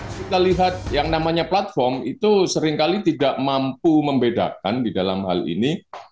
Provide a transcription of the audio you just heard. kita lihat yang namanya platform itu seringkali tidak mampu membedakan di dalam hal ini